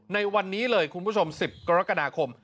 ในวันนี้๑๐กกค